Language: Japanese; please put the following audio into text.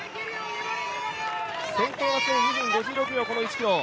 先頭は２分５６秒、この１ｋｍ。